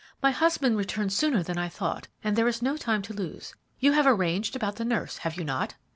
My husband returns sooner than I thought, and there is no time to lose. You have arranged about the nurse, have you not?"